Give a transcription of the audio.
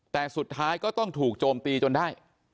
แต่สุดท้ายก็ต้องถูกโจมตีจนได้